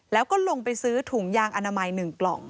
แล้วก็ลงไปซื้อถุงยางอนามัย๑กล่อง